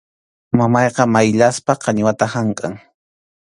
Mamayqa mayllasqa qañiwata hamkʼan.